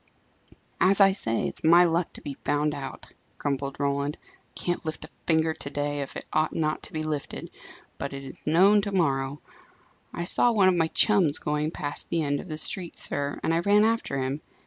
"As I say, it's my luck to be found out!" grumbled Roland. "I can't lift a finger to day, if it ought not to be lifted, but it is known to morrow. I saw one of my chums going past the end of the street, sir, and I ran after him.